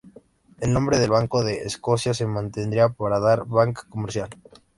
El nombre del Banco de Escocia se mantendría para la banca comercial.